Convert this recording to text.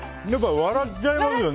笑っちゃいます。